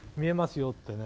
よってね